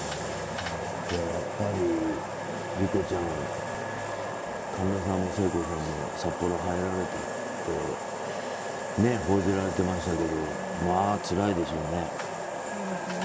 やっぱり、理子ちゃん神田さんも聖子さんも札幌入られたって報じられてましたけどまあつらいでしょうね。